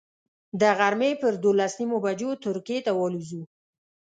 د غرمې پر دولس نیمو بجو ترکیې ته والوځو.